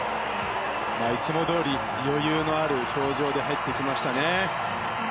いつもどおり余裕のある表情で入ってきましたね。